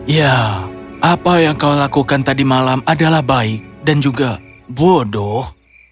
ya apa yang kau lakukan tadi malam adalah baik dan juga bodoh